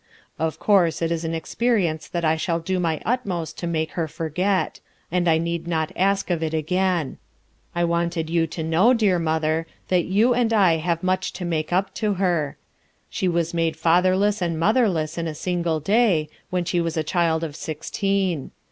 Of course it is an experience that I shall do my utmost to make her forget; and I need not speak of it again. I wanted you to know, dear mother, that you and I have much to make up to her. She was made fatherless and motherless in a single day, when she was a child of sixteen.